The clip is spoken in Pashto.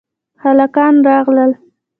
هلکان راغل